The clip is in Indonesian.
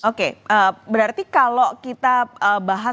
oke berarti kalau kita bahas